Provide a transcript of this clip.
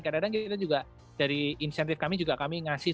karena kita juga dari insentif kami juga kami ngasih